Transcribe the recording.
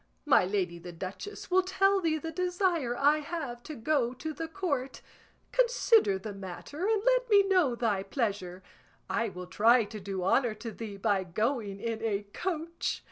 My lady the duchess will tell thee the desire I have to go to the Court; consider the matter and let me know thy pleasure; I will try to do honour to thee by going in a coach.